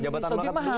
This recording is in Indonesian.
jabatan melekat itu